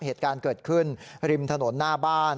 เหตุการณ์เกิดขึ้นริมถนนหน้าบ้าน